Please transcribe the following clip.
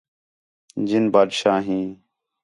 جِن بادشاہ ہیں